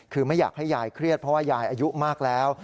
คือไม่อยากให้ยายเครียดเพราะว่ายายอายุมากแล้ว